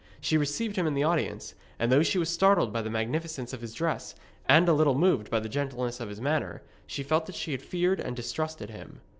She received him in audience, and though she was startled by the magnificence of his dress, and a little moved by the gentleness of his manner, she felt that she feared and distrusted him.